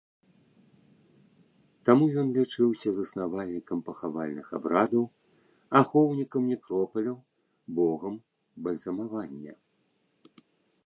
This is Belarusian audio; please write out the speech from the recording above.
Таму ён лічыўся заснавальнікам пахавальных абрадаў, ахоўнікам некропаляў, богам бальзамавання.